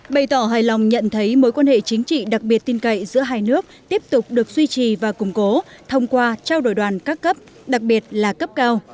bày tỏ hài lòng nhận thấy mối quan hệ chính trị đặc biệt tin cậy giữa hai nước tiếp tục được duy trì và củng cố thông qua trao đổi đoàn các cấp đặc biệt là cấp cao